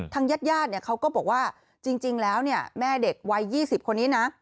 ญาติญาติเขาก็บอกว่าจริงแล้วแม่เด็กวัย๒๐คนนี้นะ